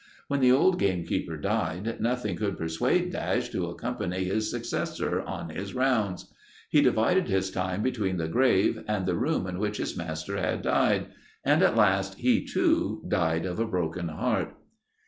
When the old gamekeeper died, nothing could persuade Dash to accompany his successor on his rounds. He divided his time between the grave and the room in which his master had died, and at last he, too, died of a broken heart.